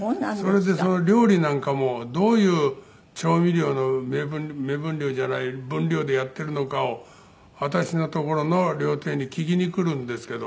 それでその料理なんかもどういう調味料の目分量じゃない分量でやっているのかを私のところの料亭に聞きにくるんですけど。